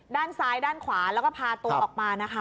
ด้านซ้ายด้านขวาแล้วก็พาตัวออกมานะคะ